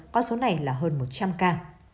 con số này là hơn một trăm linh ca